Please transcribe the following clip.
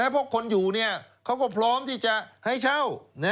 เพราะคนอยู่เขาก็พร้อมที่จะให้เช่า